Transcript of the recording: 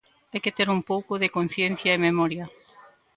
Hai que ter un pouco de conciencia e memoria.